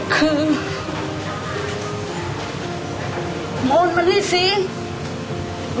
คือพ่อเป็นจับกังอยู่กับรงศรีของเซียนแท้